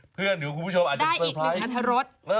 เพื่อนหรือคุณผู้ชมอาจจะเซอร์ไพร์สได้อีก๑นัทรส